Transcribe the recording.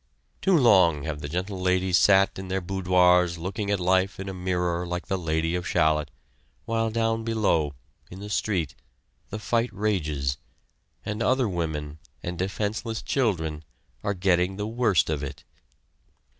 Too long have the gentle ladies sat in their boudoirs looking at life in a mirror like the Lady of Shallot, while down below, in the street, the fight rages, and other women, and defenseless children, are getting the worst of it.